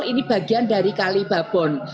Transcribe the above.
ini bagian dari kalibabon